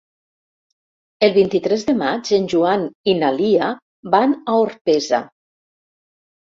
El vint-i-tres de maig en Joan i na Lia van a Orpesa.